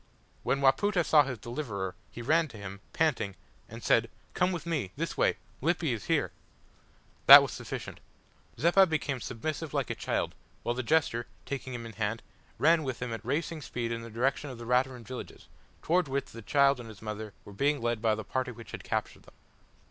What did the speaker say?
When Wapoota saw his deliverer, he ran to him, panting, and said "Come with me this way Lippy is here!" That was sufficient. Zeppa became submissive like a child, while the jester, taking him by the hand, ran with him at racing speed in the direction of the Raturan villages, towards which the child and her mother were being led by the party which had captured them.